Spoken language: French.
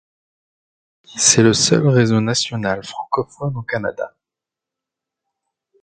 C'est le seul réseau national francophone au Canada.